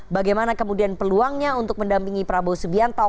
bagaimana kemudian peluangnya untuk mendampingi prabowo subianto